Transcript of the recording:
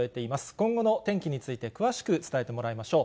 今後の天気について、詳しく伝えてもらいましょう。